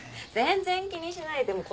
全然気にしないで。